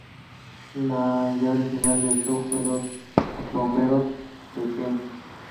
La idea original del show fue de dos ex bomberos de Kent.